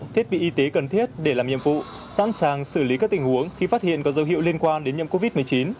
thiết bị y tế cần thiết để làm nhiệm vụ sẵn sàng xử lý các tình huống khi phát hiện có dấu hiệu liên quan đến nhiễm covid một mươi chín